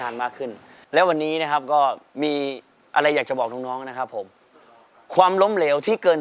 ทำพี่เคย